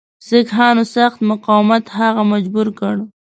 سیکهانو سخت مقاومت هغه مجبور کړ.